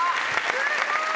すごい！